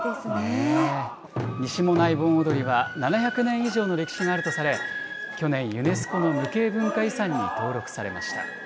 西馬音内盆踊りは７００年以上の歴史があるとされ、去年、ユネスコの無形文化遺産に登録されました。